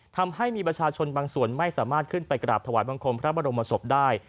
ทำให้มีประชาชนบางส่วนไม่สามารถขึ้นไปกราบถวายบังคมพระบรมศพได้